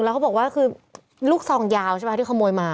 แล้วเขาบอกว่าคือลูกซองยาวใช่ไหมที่ขโมยมา